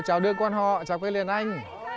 chào đơn quan họ chào quý liền anh